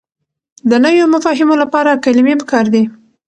د نويو مفاهيمو لپاره کلمې پکار دي.